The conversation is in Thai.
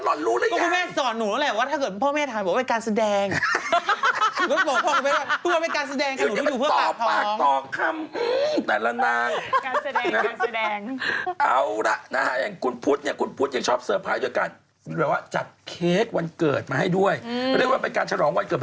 ภาษาเหนือภาคเหนือรมรุแล้วอย่างนี้